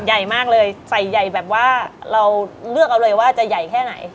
ใหญ่มากเลยใส่ใหญ่แบบว่าเราเลือกเอาเลยว่าจะใหญ่แค่ไหน